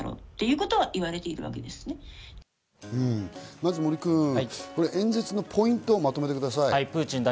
まず森君、演説のポイントをまとめてください。